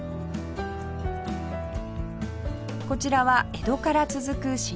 こちらは江戸から続く老舗